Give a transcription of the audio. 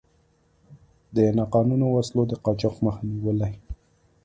د ناقانونه وسلو د قاچاق مخه نیولې.